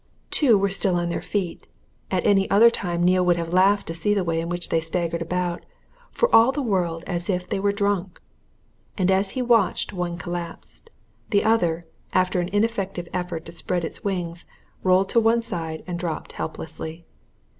Two were still on their feet; at any other time Neale would have laughed to see the way in which they staggered about, for all the world as if they were drunk. And as he watched one collapsed; the other, after an ineffective effort to spread its wings, rolled to one side and dropped helplessly.